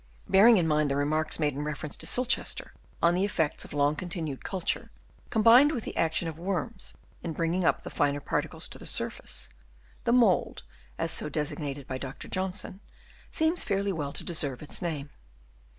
Bearing in mind the remarks made in reference to Silchester on the effects of long continued culture, combined with the action of worms in bringing up the finer particles to the surface, the mould, as so designated by Dr. Johnson, seems fairly well to deserve its name.